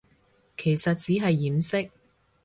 其實只係掩飾